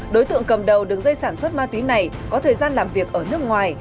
đối tượng cầm đầu đường dây sản xuất ma túy này có thời gian làm việc ở nước ngoài